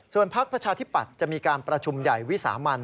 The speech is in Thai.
พักประชาธิปัตย์จะมีการประชุมใหญ่วิสามัน